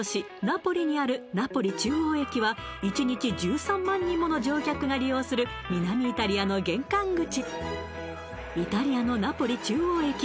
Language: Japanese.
ナポリにあるナポリ中央駅は１日１３万人もの乗客が利用する南イタリアの玄関口